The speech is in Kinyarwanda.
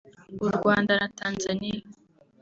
u Rwanda na Tanzania